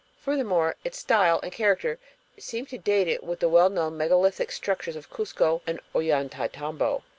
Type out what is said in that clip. Furthermore, its style and character seem to date it with the well known megalithic structures of Cuzco and Ollantaytambo.